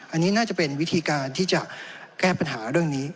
อันนี้น่าจะเป็นวิธีการที่จะแก้ปัญหาเรื่องนี้